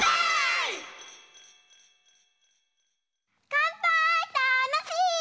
かんぱーいたのしい！